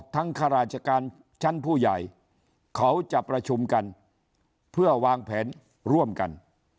ข้าราชการชั้นผู้ใหญ่เขาจะประชุมกันเพื่อวางแผนร่วมกัน